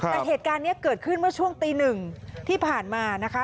แต่เหตุการณ์นี้เกิดขึ้นเมื่อช่วงตีหนึ่งที่ผ่านมานะคะ